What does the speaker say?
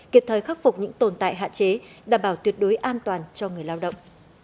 kịp thời khắc phục những tồn tại hạn chế đảm bảo tuyệt đối an toàn cho người lao động